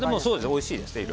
おいしいですね。